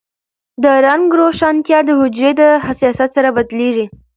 د رنګ روښانتیا د حجرې حساسیت سره بدلېږي.